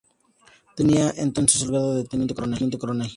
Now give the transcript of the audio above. Tenía entonces el grado de teniente coronel.